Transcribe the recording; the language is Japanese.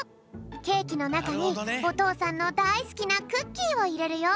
ケーキのなかにおとうさんのだいすきなクッキーをいれるよ。